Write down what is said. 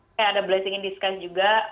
kayak ada blessing in disguise juga